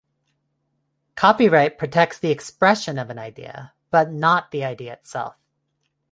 Copyright protects the expression of an idea but not the idea itself.